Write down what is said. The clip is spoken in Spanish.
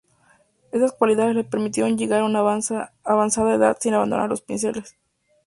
Estas cualidades le permitieron llegar a una avanzada edad sin abandonar los pinceles.